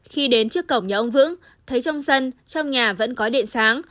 khi đến trước cổng nhà ông vững thấy trong sân trong nhà vẫn có điện sáng